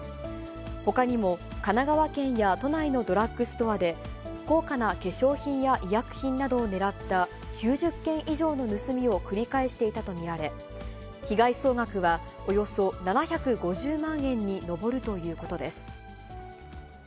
ほかにも神奈川県や都内のドラッグストアで、高価な化粧品や医薬品などを狙った９０件以上の盗みを繰り返していたと見られ、被害総額はおよそ７５０万円に上るということです。